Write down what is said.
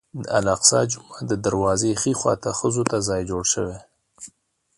د الاقصی جومات د دروازې ښي خوا ته ښځو ته ځای جوړ شوی.